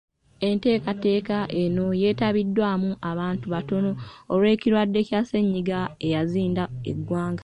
Enteekateeka eno yeetabiddwamu abantu batono olw’ekirwadde kya ssennyiga eyazinda eggwanga.